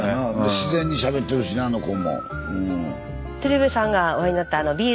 自然にしゃべってるしねあの子も。